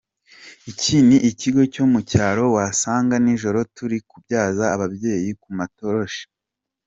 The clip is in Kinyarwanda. Iki ni ikigo cyo mu cyaro wasangaga nijoro turi kubyaza ababyeyi ku matoroshi.